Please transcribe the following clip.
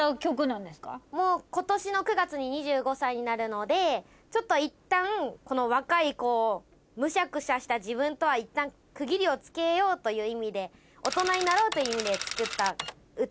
今年の９月に２５歳になるのでちょっといったんこの若いむしゃくしゃした自分とはいったん区切りをつけようという意味で大人になろうという意味で作った歌ですね。